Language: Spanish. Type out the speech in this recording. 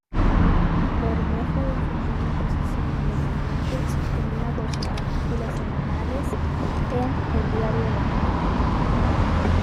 Bermejo defendió una posición independiente sostenida por sus artículos semanales en "El Diario Vasco".